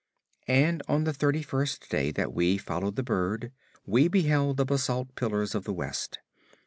And on the thirty first day that we followed the bird, we beheld the basalt pillars of the West.